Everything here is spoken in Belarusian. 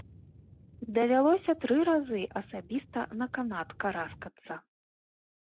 Давялося тры разы асабіста на канат караскацца.